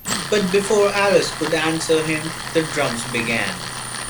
But before Alice could answer him, the drums began.